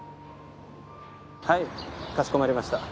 はいかしこまりました。